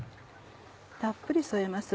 たっぷり添えます。